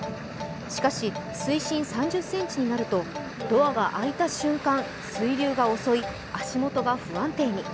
しかし、水深３０ｃｍになるとドアは開いた瞬間水流が襲い足元が不安定に。